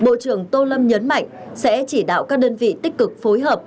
bộ trưởng tô lâm nhấn mạnh sẽ chỉ đạo các đơn vị tích cực phối hợp